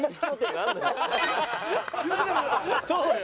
そうよ。